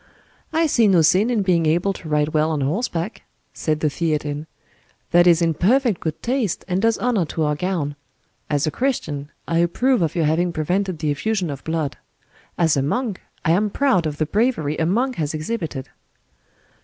"I see no sin in being able to ride well on horseback," said the Theatin; "that is in perfect good taste, and does honor to our gown. As a Christian, I approve of your having prevented the effusion of blood; as a monk, I am proud of the bravery a monk has exhibited."